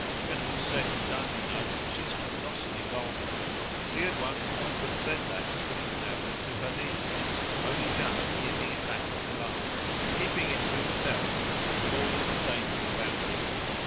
"When all's said and done, you know, she's colossally vulgar" he had once all but noted that of her to her niece; only just keeping it back at the last, keeping it to himself with all its danger about it.